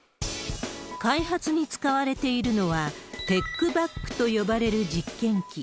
開発に使われているのは、テックバックと呼ばれる実験機。